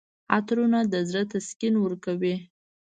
عطرونه د زړه تسکین ورکوي.